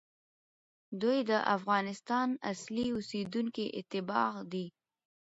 دوی د افغانستان اصلي اوسېدونکي، اتباع دي،